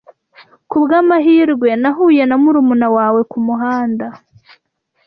Ku bw'amahirwe, nahuye na murumuna wawe kumuhanda.